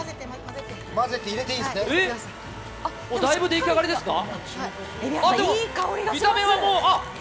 だいぶ出来上がりですか？